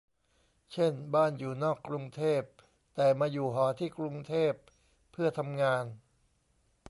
เช่นบ้านอยู่นอกกรุงเทพ แต่มาอยู่หอที่กรุงเทพเพื่อทำงาน